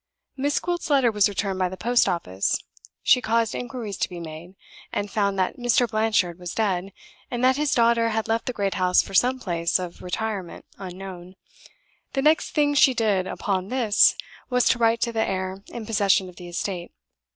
Miss Gwilt's letter was returned by the post office. She caused inquiries to be made; and found that Mr. Blanchard was dead, and that his daughter had left the great house for some place of retirement unknown. The next thing she did, upon this, was to write to the heir in possession of the estate.